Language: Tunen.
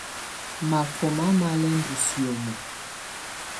Máfɔ́má má lɛ́ ndɔ́ sìómo.